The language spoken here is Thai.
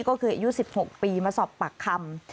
ก็คืออายุ๑๖ปีมาสอบปากคำ